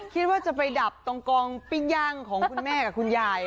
คิดว่าจะไปดับตรงกองปิ้งย่างของคุณแม่กับคุณยาย